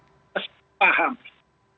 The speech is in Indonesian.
yang harus dipahami